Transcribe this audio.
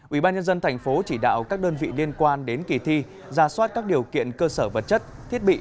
ubnd tp chỉ đạo các đơn vị liên quan đến kỳ thi ra soát các điều kiện cơ sở vật chất thiết bị